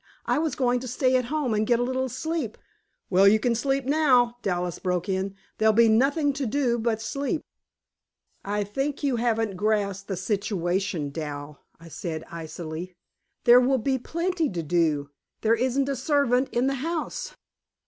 "I was going to stay at home and get a little sleep " "Well, you can sleep now," Dallas broke in. "There'll be nothing to do but sleep." "I think you haven't grasped the situation, Dal," I said icily. "There will be plenty to do. There isn't a servant in the house!"